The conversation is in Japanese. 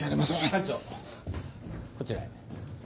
館長こちらへ。